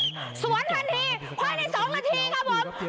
ค่อยใน๒นาทีครับผม